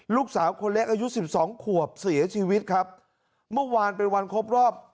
ลูกสาวคนเล็กอายุสิบสองขวบเสียชีวิตครับเมื่อวานเป็นวันครบรอบ